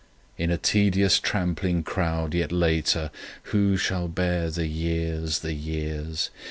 In a tedious trampling crowd yet later— Who shall bare the years, the years!